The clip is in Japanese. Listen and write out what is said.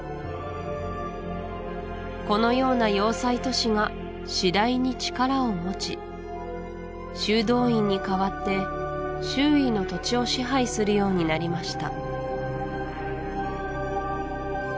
このような要塞都市が次第に力を持ち修道院に代わって周囲の土地を支配するようになりました